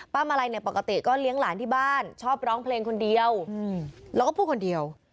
ป้ามาลัยปกติก็เลี้ยงหลานที่บ้านชอบร้องเพลงคนเดียวร้องผู้คนเดียว